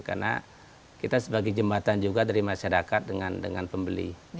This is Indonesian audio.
karena kita sebagai jembatan juga dari masyarakat dengan pembeli